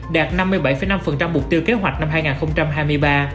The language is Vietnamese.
đạt năm mươi bảy năm mục tiêu kế hoạch năm hai nghìn hai mươi ba